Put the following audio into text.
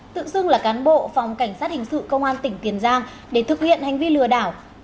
tự xưng là cán bộ phòng cảnh sát hình sự công an tỉnh tiền giang để thực hiện hành vi lừa đảo